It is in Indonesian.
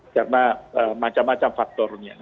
karena macam macam faktornya